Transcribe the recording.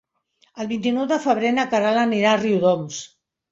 El vint-i-nou de febrer na Queralt anirà a Riudoms.